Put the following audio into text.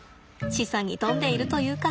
示唆に富んでいるというか。